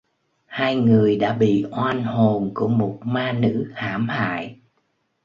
Hai người đã bị oan hồn của một ma nữ hãm hại